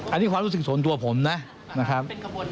อันนี้ความรู้สึกส่วนตัวผมนะครับ